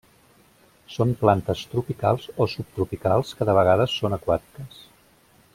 Són plantes tropicals o subtropicals que de vegades són aquàtiques.